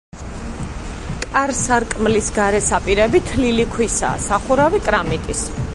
კარ-სარკმლის გარე საპირეები თლილი ქვისაა, სახურავი კრამიტის.